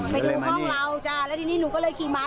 ไปดูห้องเราจ้ะแล้วทีนี้หนูก็เลยขี่มา